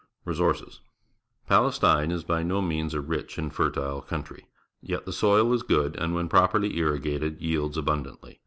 Resources. — Palestine is by no means a rich and fertile country. Yet the soil is good, and when properly irrigated, yields abun dantly.